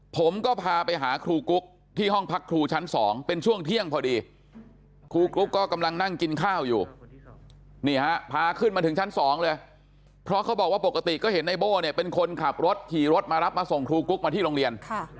ผมก็พาไปหาครูกุ๊กที่ห้องพักครูชั้น๒เป็นช่วงเที่ยงพอดีครูกุ๊กก็กำลังนั่งกินข้าวอยู่นี่ฮะพาขึ้นมาถึงชั้น๒เลยเพราะเขาบอกว่าปกติก็เห็นในโบ้เนี่ยเป็นคนขับรถขี่รถมารับมาส่งครูกุ๊กมาที่โรงเรียน